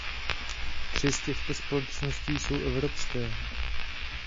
Tři z těchto společností jsou evropské.